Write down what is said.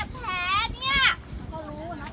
สวัสดีครับคุณพลาด